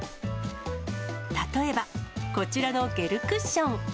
例えば、こちらのゲルクッション。